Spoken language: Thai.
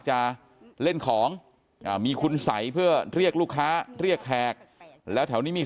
จะเล่นของอ่ามีคุณสัยเพื่อเรียกลูกค้าเรียกแขกแล้วแถวนี้มี